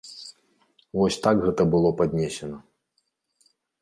Вось так гэта было паднесена.